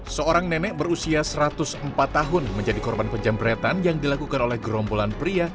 seorang nenek berusia satu ratus empat tahun menjadi korban penjambretan yang dilakukan oleh gerombolan pria